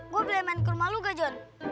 gue beli mankur malu gak jon